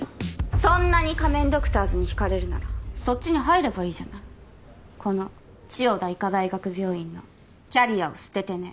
そんなに仮面ドクターズにひかれるならそっちに入ればいいじゃないこの千代田医科大学病院のキャリアを捨ててね